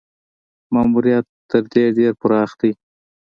ماموریت تر دې ډېر پراخ دی.